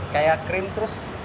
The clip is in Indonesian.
kayak krim terus